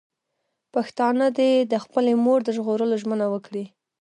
پښتانه دې د خپلې مور د ژغورلو ژمنه وکړي.